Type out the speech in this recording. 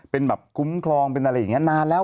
เป็นคุ้มครองเป็นอะไรอย่างนี้